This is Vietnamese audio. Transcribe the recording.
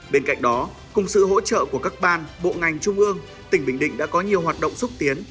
bên cạnh đó cùng sự hỗ trợ của các ban bộ ngành trung ương tỉnh bình định đã có nhiều hoạt động xúc tiến